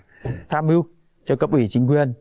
và tham ưu cho cấp ủy chính quyền